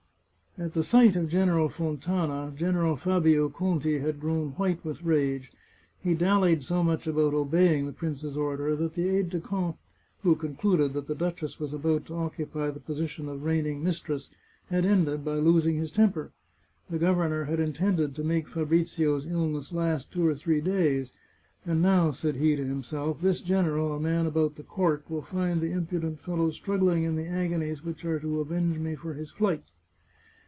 At the sight of General Fontana, General Fabio Conti had grown white with rage. He dallied so much about obey ing the prince's order, that the aide de camp, who concluded the duchess was about to occupy the position of reigfning mistress, had ended by losing his temper. The governor had intended to make Fabrizio's illness last two or three days, and " now," said he to himself, " this general, a man about the court, will find the impudent fellow struggling in the agonies which are to avenge me for his flight."